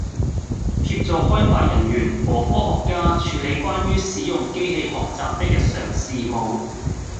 協助開發人員和科學家處理關於使用機器學習的日常事務